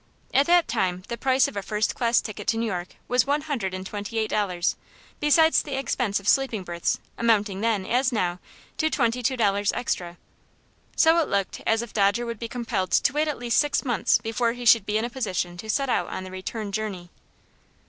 At that time the price of a first class ticket to New York was one hundred and twenty eight dollars, besides the expense of sleeping berths, amounting then, as now, to twenty two dollars extra. So it looked as if Dodger would be compelled to wait at least six months before he should be in a position to set out on the return journey.